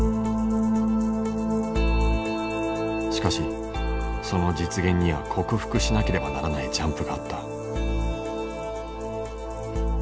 しかしその実現には克服しなければならないジャンプがあった。